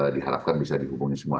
diharapkan bisa dihubungi semua